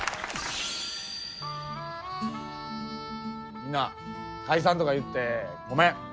みんな解散とか言ってごめん。